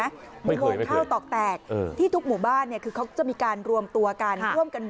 ไม่เคยไม่เคยอุโมงข้าวตอกแตกที่ทุกหมู่บ้านเนี่ยคือเขาจะมีการรวมตัวกัน